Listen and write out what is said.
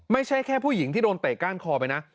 ไม่ใช่แค่ผู้หญิงที่โดนเตะก้านคอไปนะ